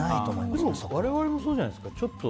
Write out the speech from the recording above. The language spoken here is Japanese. でも我々もそうじゃないですか。